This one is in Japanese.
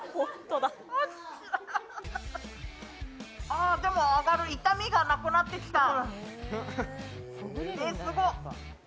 ああ、でも痛みがなくなってきた。